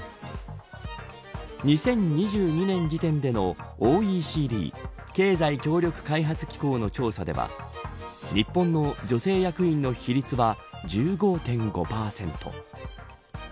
２０２２年時点でのＯＥＣＤ経済協力開発機構の調査では日本の女性役員の比率は１５．５％。